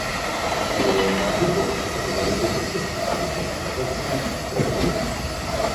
Euro na długo pozostanie walutą we wszystkich państwach członkowskich strefy euro